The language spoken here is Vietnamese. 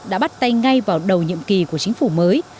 đã bắt tay ngay vào đầu nhiệm kỳ của chính phủ mới